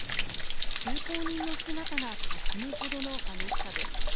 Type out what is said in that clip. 通行人の姿が霞むほどの激しさです。